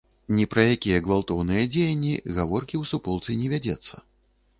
Ні пра якія гвалтоўныя дзеянні гаворкі ў суполцы не вядзецца.